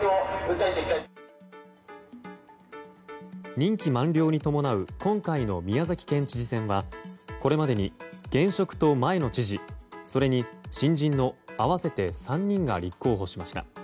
任期満了に伴う今回の宮崎県知事選はこれまでに現職と前の知事それに新人の合わせて３人が立候補しました。